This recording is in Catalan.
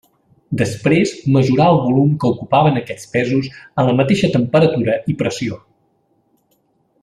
Després mesurà el volum que ocupaven aquests pesos a la mateixa temperatura i pressió.